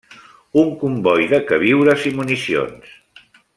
Un comboi de queviures i municions.